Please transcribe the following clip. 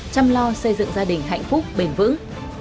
chăm lo xây dựng gia đình hạnh phúc bền vững